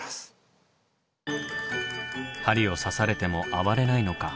針を刺されても暴れないのか？